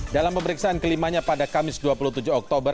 dalam pemeriksaan kelimanya pada kamis dua puluh tujuh oktober